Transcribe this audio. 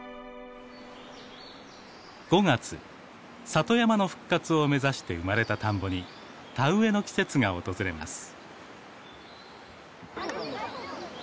里山の復活を目指して生まれた田んぼに田植えの季節が訪れます。